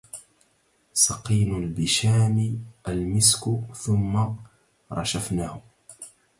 سقين البشام المسك ثم رشفنه